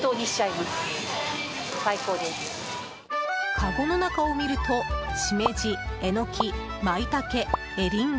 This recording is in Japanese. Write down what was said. かごの中を見ると、シメジエノキ、マイタケ、エリンギ。